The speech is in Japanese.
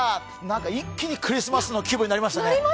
一気にクリスマスの気分になりましたね。